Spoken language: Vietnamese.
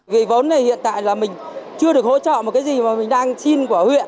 vì vốn này hiện tại là mình chưa được hỗ trợ một cái gì mà mình đang xin của huyện